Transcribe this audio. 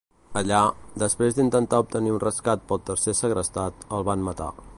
Allà, després d'intentar obtenir un rescat pel tercer segrestat, el van matar.